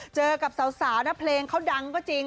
เจอกับสาวนะเพลงเขาดังก็จริง